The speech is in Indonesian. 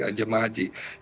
nah ini memang kami juga